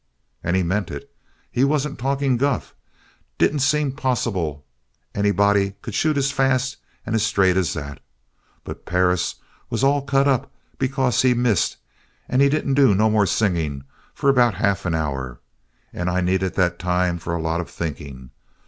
"And he meant it. He wasn't talking guff. Didn't seem possible anybody could shoot as fast and straight as that, but Perris was all cut up because he'd missed and he didn't do no more singing for about half an hour. And I needed that time for a lot of thinking.